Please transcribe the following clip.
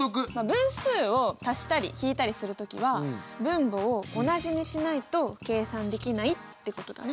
分数を足したり引いたりする時は分母を同じにしないと計算できないってことだね。